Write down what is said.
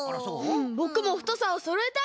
ぼくもふとさをそろえたいです！